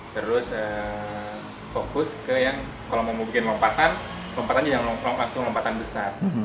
terus fokus ke yang kalau mau bikin lompatan lompatan jangan nongkrong langsung lompatan besar